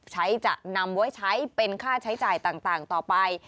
จะนำไว้ใช้เป็นค่าใช้จ่ายต่างต่อไป